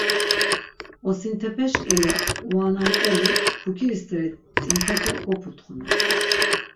Osintepeş k̆ele uanank̆eli, pukiri steri t̆imbepe goputxunan.